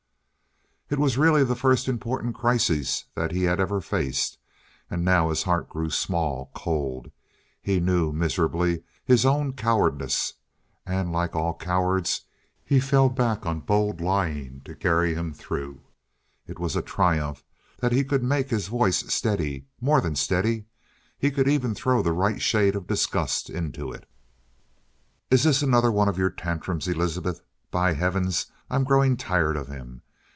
It was really the first important crisis that he had ever faced. And now his heart grew small, cold. He knew, miserably, his own cowardice. And like all cowards, he fell back on bold lying to carry him through. It was a triumph that he could make his voice steady more than steady. He could even throw the right shade of disgust into it. "Is this another one of your tantrums, Elizabeth? By heavens, I'm growing tired of 'em.